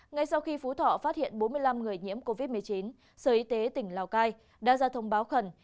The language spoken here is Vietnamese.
ngay sau khi phú thọ phát hiện bốn mươi năm người nhiễm covid một mươi chín sở y tế tỉnh lào cai đã ra thông báo khẩn